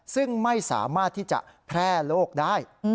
ซึ่งไม่สามารถที่จะแพร่โรคได้